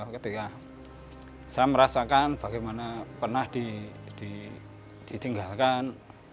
ketika saya merasakan bagaimana pernah ditinggalkan